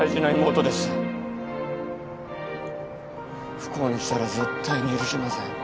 不幸にしたら絶対に許しません。